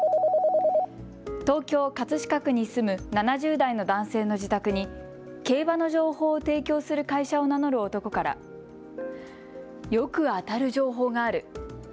東京・葛飾区に住む７０代の男性の自宅に競馬の情報を提供する会社を名乗る男からよく当たる情報がある。